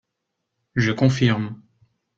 Je confirme